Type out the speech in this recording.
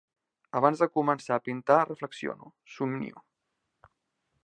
I abans de començar a pintar reflexiono, somnio.